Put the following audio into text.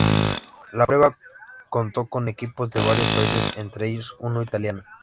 La prueba contó con equipos de varios países, entre ellos uno italiano.